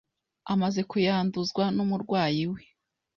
amaze kuyanduzwa n’umurwayi we